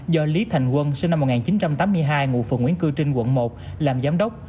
do lý thành quân sinh năm một nghìn chín trăm tám mươi hai ngụ phường nguyễn cư trinh quận một làm giám đốc